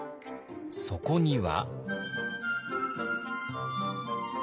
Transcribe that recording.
そこには。